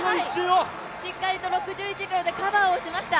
しっかりと６１秒でカバーしました。